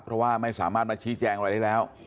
เพราะว่าไม่สามารถมาชี้แจงอะไรได้แล้ว